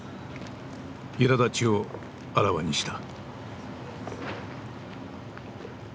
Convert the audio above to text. いらだちをあらわにした。